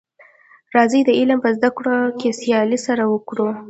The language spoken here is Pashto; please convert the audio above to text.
راځی د علم په زده کړه کي سیالي سره وکړو.